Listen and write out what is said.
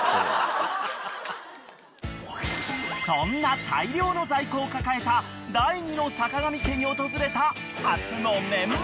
［そんな大量の在庫を抱えた第２のさかがみ家に訪れた初の年末］